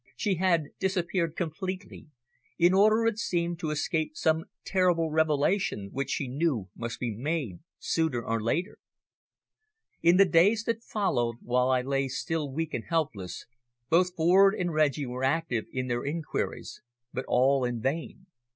She had disappeared completely, in order, it seemed, to escape some terrible revelation which she knew must be made sooner or later. In the days that followed, while I lay still weak and helpless, both Ford and Reggie were active in their inquiries, but all in vain.